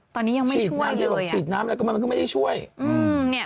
ตอนนี้ยังไม่ช่วยเลยอ่ะมันก็ไม่ได้ช่วยอืม